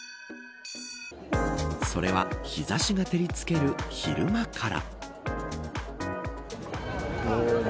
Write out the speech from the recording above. それは日差しが照りつける昼間から。